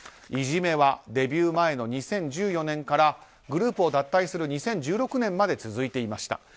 いじめはデビュー前の２０１４年からグループを脱退する２０１６年まで続いていました。